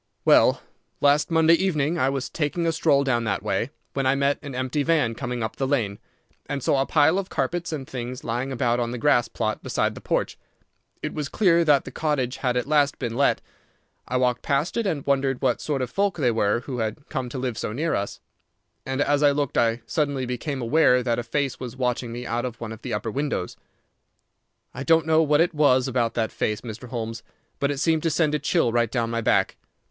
"Well, last Monday evening I was taking a stroll down that way, when I met an empty van coming up the lane, and saw a pile of carpets and things lying about on the grass plot beside the porch. It was clear that the cottage had at last been let. I walked past it, and wondered what sort of folk they were who had come to live so near us. And as I looked I suddenly became aware that a face was watching me out of one of the upper windows. "I don't know what there was about that face, Mr. Holmes, but it seemed to send a chill right down my back.